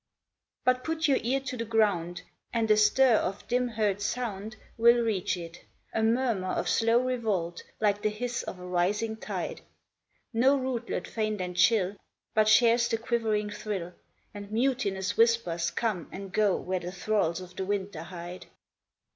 But put your ear to the ground, And a stir of dim heard sound Will reach it, a murmer of slow revolt, like the hiss of a rising tide. No rootlet faint and chill But shares the quivering thrill ; And mutinous whispers come and go where the thralls of the winter hide.